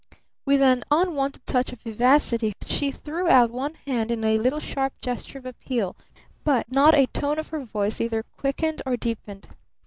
With an unwonted touch of vivacity she threw out one hand in a little, sharp gesture of appeal; but not a tone of her voice either quickened or deepened.